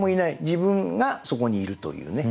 自分がそこにいるというね。